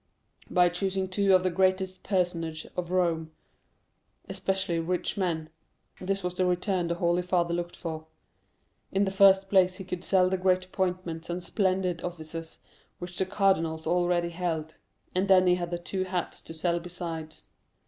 "By choosing two of the greatest personages of Rome, especially rich men—this was the return the Holy Father looked for. In the first place, he could sell the great appointments and splendid offices which the cardinals already held; and then he had the two hats to sell besides.